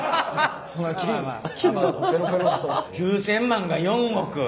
９，０００万が４億。